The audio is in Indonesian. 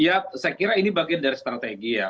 ya saya kira ini bagian dari strategi ya